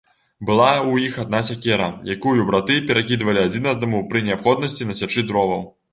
Была ў іх адна сякера, якую браты перакідвалі адзін аднаму пры неабходнасці насячы дроваў.